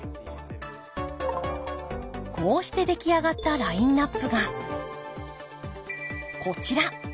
こうして出来上がったラインナップがこちら。